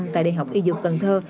tại đại học y dược cần thơ